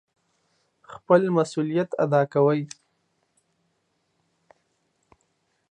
خپل مسئوليت اداء کوي.